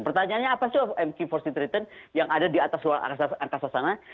pertanyaannya apa sih mk empat puluh return yang ada di atas luar angkasa sana